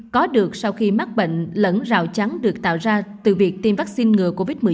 có được sau khi mắc bệnh lẫn rào chắn được tạo ra từ việc tiêm vaccine ngừa covid một mươi chín